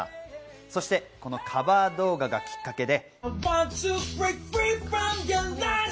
そしてこのカバー動画がきっかけで。